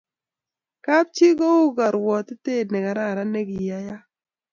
kap chii ko u karuatet ne kararan ni kiayak